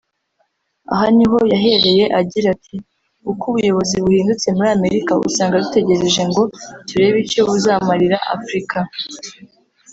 Aha ni ho yahereye agira ati “Uko ubuyobozi buhindutse muri Amerika usanga dutegereje ngo turebe icyo buzamarira Afurika